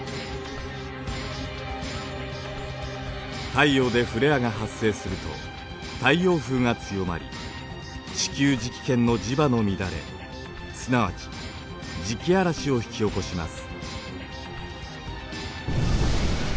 太陽でフレアが発生すると太陽風が強まり地球磁気圏の磁場の乱れすなわち磁気嵐を引き起こします。